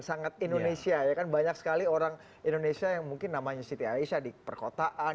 sangat indonesia banyak sekali orang indonesia mungkin namanya siti aisyah di perkotaan